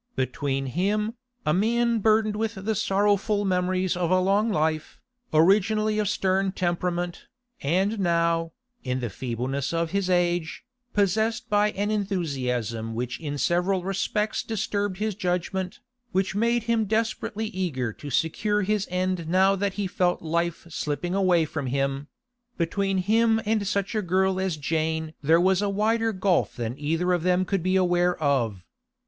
Between him, a man burdened with the sorrowful memories of a long life, originally of stern temperament, and now, in the feebleness of his age, possessed by an enthusiasm which in several respects disturbed his judgment, which made him desperately eager to secure his end now that he felt life slipping away from him—between him and such a girl as Jane there was a wider gulf than either of them could be aware of.